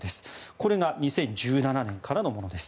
これが２０１７年からのものです。